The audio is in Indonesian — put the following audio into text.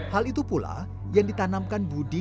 hal itu pula yang ditanamkan budi